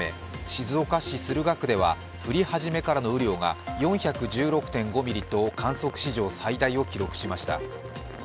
静岡市駿河区では降り始めからの雨量が４１６．５ミリと観測史上最大を記録しました。